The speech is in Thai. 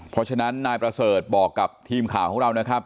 เพราะฉะนั้นนายประเสริฐบอกกับทีมข่าวของเรานะครับ